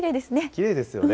きれいですよね。